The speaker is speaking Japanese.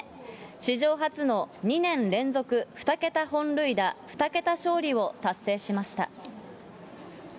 史上初の２年連続２桁本塁打２桁勝利を達成しました。